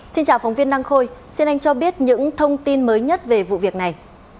xin chào phóng viên năng khôi xin anh cho biết những thông tin mới nhất về vụ việc này